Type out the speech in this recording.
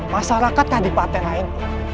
masyarakat di pantai lain